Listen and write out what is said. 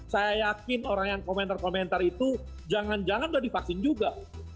saya yakin orang yang komentar komentar itu jangan jangan udah divaksin juga